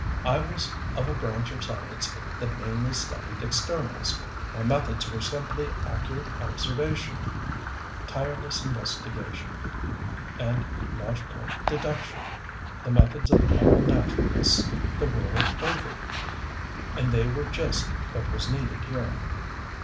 I was of a branch of science that mainly studied externals, my methods were simply accurate observation, tireless investigation, and logical deduction the methods of all naturalists the world over; and they were just what was needed here.